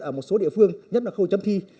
ở một số địa phương nhất là khâu chấm thi